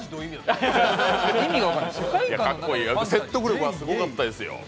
説得力がすごかったですよ。